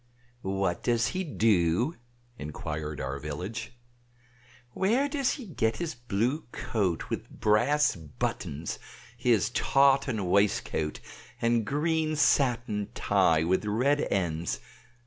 "What does he do?" inquired our village. "Where does he get his blue coat with brass buttons, his tartan waistcoat and green satin tie with red ends?